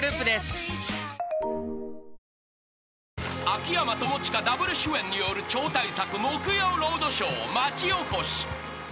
［秋山友近ダブル主演による超大作木曜ロードショー］